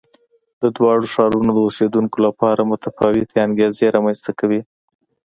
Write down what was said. د دواړو ښارونو د اوسېدونکو لپاره متفاوتې انګېزې رامنځته کوي.